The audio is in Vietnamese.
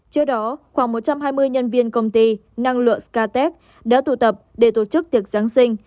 trước đó khoảng một trăm hai mươi nhân viên công ty năng lượng sket đã tụ tập để tổ chức tiệc giáng sinh